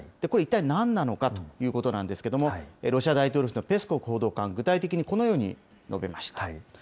これ、一体なんなのかということなんですけれども、ロシア大統領府のペスコフ報道官は具体的にこのように述べました。